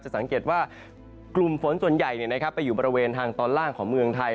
สังเกตว่ากลุ่มฝนส่วนใหญ่ไปอยู่บริเวณทางตอนล่างของเมืองไทย